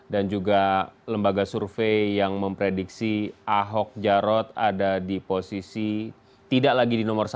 dan juga lembaga survei yang memprediksi ahok jarot ada di posisi tidak lagi di nomor satu